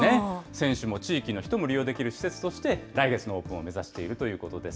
選手も地域の人も利用できる施設として、来月のオープンを目指しているということです。